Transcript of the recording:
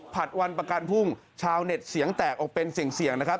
ผลัดวันประกันพุ่งชาวเน็ตเสียงแตกออกเป็นเสี่ยงนะครับ